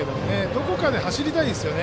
どこかで走りたいですね。